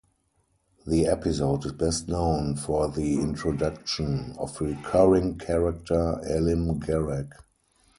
The episode is best known for the introduction of recurring character Elim Garak.